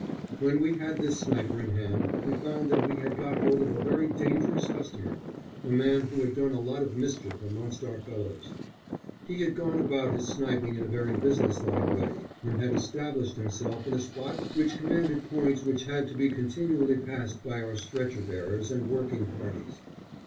When we had this sniper in hand we found that we had got hold of a very dangerous customer, a man who had done a lot of mischief amongst our fellows. He had gone about his sniping in a very business like way, and had established himself in a spot which commanded points which had to be continually passed by our stretcher bearers and working parties.